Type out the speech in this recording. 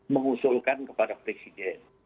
mengusulkan kepada presiden